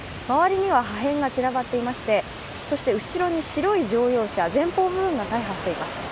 周りには破片が散らばっていまして、後ろに白い乗用車、前方部分が大破しています。